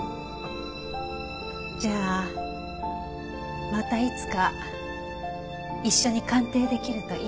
じゃあまたいつか一緒に鑑定できるといいわね。